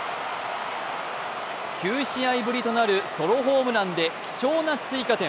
９試合ぶりとなるソロホームランで貴重な追加点。